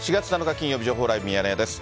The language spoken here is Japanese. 金曜日、情報ライブミヤネ屋です。